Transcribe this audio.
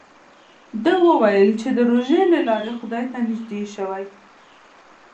ده وویل چې د روژې له لارې خدای ته نژدې شوی.